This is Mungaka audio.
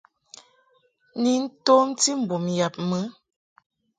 Ni tomti mbum yab mɨ.